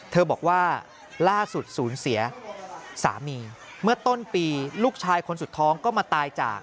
บอกว่าล่าสุดศูนย์เสียสามีเมื่อต้นปีลูกชายคนสุดท้องก็มาตายจาก